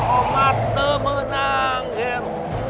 jangan menang ger